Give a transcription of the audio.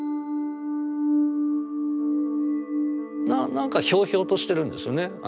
なんかひょうひょうとしてるんですよね。